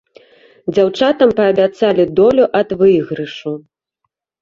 Дзяўчатам паабяцалі долю ад выйгрышу.